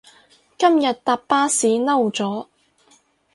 今日搭巴士嬲咗